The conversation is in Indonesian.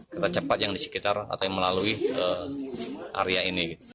kereta cepat yang di sekitar atau melalui area ini